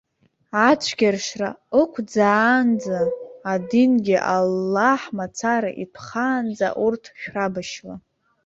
Ацәгьаршра ықәӡаанӡа, адингьы Аллаҳ мацара итәхаанӡа урҭ шәрабашьла.